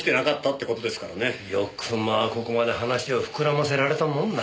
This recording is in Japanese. よくまあここまで話を膨らませられたもんだ。